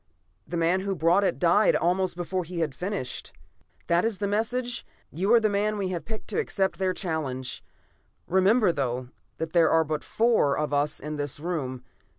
The man who brought it died almost before he had finished. "That is the message. You are the man we have picked to accept their challenge. Remember, though, that there are but the four of us in this room.